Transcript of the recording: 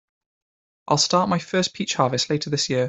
I'll start my first peach harvest later this year.